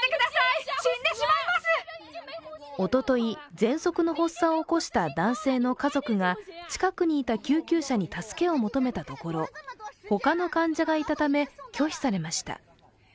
おととい、ぜんそくの発作を起こした男性の家族が近くにいた救急車に助けを求めたところ、他の患者がいたため拒否されました。